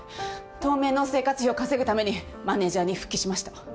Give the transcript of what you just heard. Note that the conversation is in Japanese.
当面の生活費を稼ぐためにマネジャーに復帰しました。